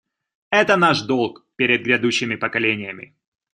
Это наш долг перед грядущими поколениями.